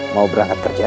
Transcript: mau berangkat kerja